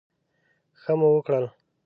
ښه مو وکړل.